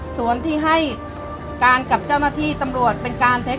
ส่วนที่ให้การกับเจ้าหน้าที่ตำรวจเป็นการเท็จ